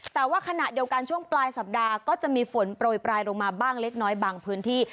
แต่ว่าขณะเดียวกันช่วงปลายสัปดาห์ก็จะมีฝนโปรยปลายลงมาบ้างเล็กน้อยบางพื้นที่